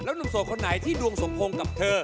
หนุ่มโสดคนไหนที่ดวงสมพงษ์กับเธอ